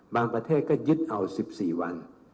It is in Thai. ประเทศก็ยึดเอา๑๔วัน